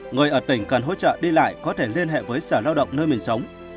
người ở tỉnh cần hỗ trợ đi lại có thể liên hệ với sở lao động nơi mình sống